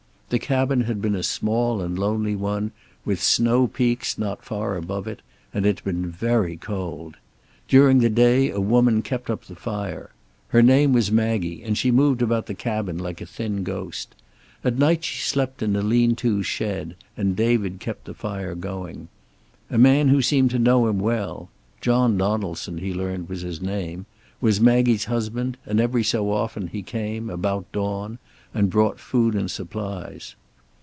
The cabin had been a small and lonely one, with snow peaks not far above it, and it had been very cold. During the day a woman kept up the fire. Her name was Maggie, and she moved about the cabin like a thin ghost. At night she slept in a lean to shed and David kept the fire going. A man who seemed to know him well John Donaldson, he learned, was his name was Maggie's husband, and every so often he came, about dawn, and brought food and supplies.